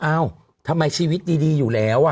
เอ้าทำไมชีวิตดีอยู่แล้ว